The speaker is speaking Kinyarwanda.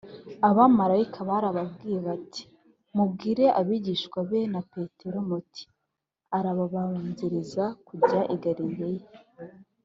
abamarayika barababwiye bati: « mubwire abigishwa be na petero muti arabababanziriza kujya i galilaya,